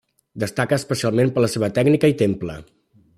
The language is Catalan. Destaca especialment per la seva tècnica i temple.